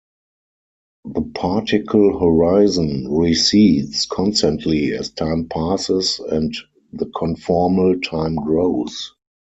The particle horizon recedes constantly as time passes and the conformal time grows.